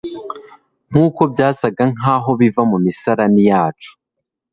nkuko byasaga nkaho biva mumisarani yacu